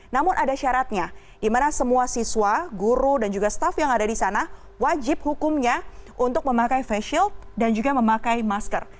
namun ada syaratnya di mana semua siswa guru dan juga staff yang ada di sana wajib hukumnya untuk memakai face shield dan juga memakai masker